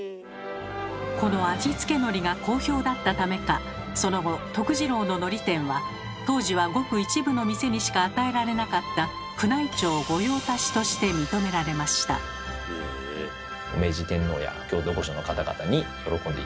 この味付けのりが好評だったためかその後治郎ののり店は当時はごく一部の店にしか与えられなかった「宮内庁御用達」として認められました。と思っております。